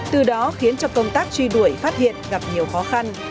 từ đó khiến cho công tác truy đuổi phát hiện gặp nhiều khó khăn